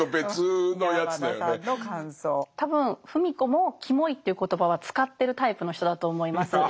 多分芙美子もキモいという言葉は使ってるタイプの人だと思います。